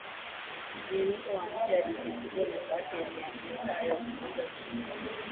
Mwinuko wa nchi altitudo ni kati ya mita elfu moja mia moja